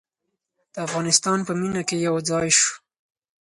د افغانستان په مینه کې یو ځای شو.